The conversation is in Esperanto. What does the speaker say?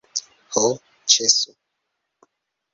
Ho, ĉesu!